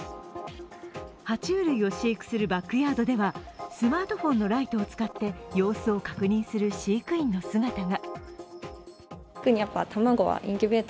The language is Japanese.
は虫類を飼育するバックヤードではスマートフォンのライトを使って様子を観察する飼育員の姿が。